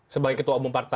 sebagai ketua umum partai